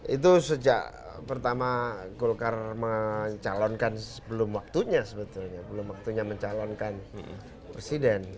itu sejak pertama golkar mencalonkan sebelum waktunya sebetulnya belum waktunya mencalonkan presiden